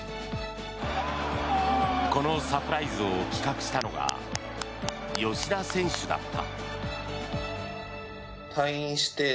このサプライズを企画したのが吉田選手だった。